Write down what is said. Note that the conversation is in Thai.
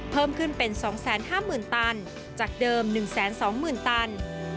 เพิ่มขึ้นเป็น๒๕๐๐๐ตันจากเดิม๑๒๐๐๐ตัน